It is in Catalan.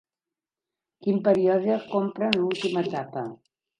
Quin període comprèn l'última etapa?